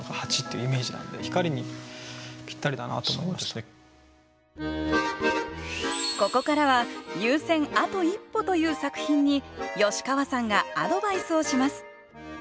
本当にずっと動いてるからここからは「入選あと一歩」という作品に吉川さんがアドバイスをします。